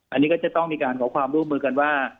อันนี้ก็จะต้องมีการขอความร่วมมือกันว่า